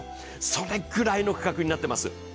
それくらいの価格になってます。